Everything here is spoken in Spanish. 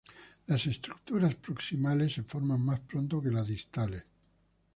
Las estructuras proximales se forman más pronto que las distales.